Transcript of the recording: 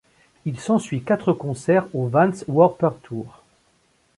Il s'ensuit quatre concerts au Vans Warped Tour.